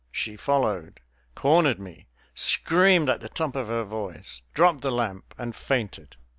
She followed, cornered me, screamed at the top of her voice, dropped the lamp, and fainted.